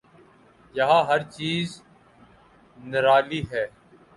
یہاں ہر چیز نرالی ہے۔